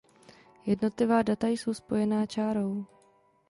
Jednotlivá data jsou spojená čárou.